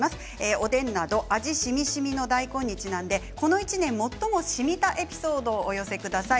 おでんなど味しみしみの大根にちなんでこの１年最もしみたエピソードをお寄せください。